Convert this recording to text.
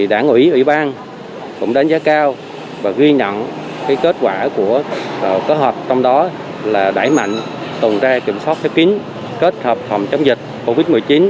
đảng ủy ủy ban cũng đánh giá cao và ghi nhận kết quả của kết hợp trong đó là đẩy mạnh tuần tra kiểm soát khép kín kết hợp phòng chống dịch covid một mươi chín